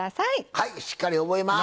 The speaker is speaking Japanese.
はいしっかり覚えます！